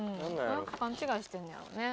なんか勘違いしてるんやろね。